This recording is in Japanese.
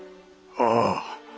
ああ。